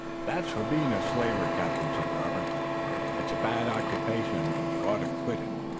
"That's for being a slaver, captain," said Robert. "It's a bad occupation, and you ought to quit it.